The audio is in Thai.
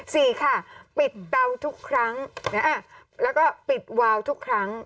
สี่ค่ะปิดเตาทุกครั้งแล้วก็ปิดวาวทุกครั้ง